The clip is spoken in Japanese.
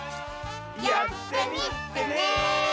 やってみてね！